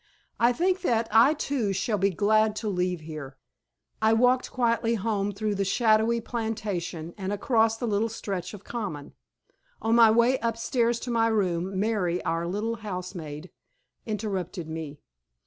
I think that I too shall be glad to leave here." I walked quietly home through the shadowy plantation and across the little stretch of common. On my way upstairs to my room Mary, our little housemaid, interrupted me.